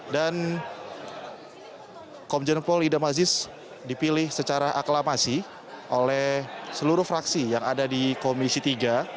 dan komjen pol idam aziz dipilih secara aklamasi oleh seluruh fraksi yang ada di komisi tiga